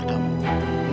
kan bisa betul